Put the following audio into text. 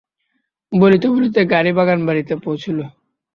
বলিতে বলিতে গাড়ী বাগানবাড়ীতে পঁহুছিল।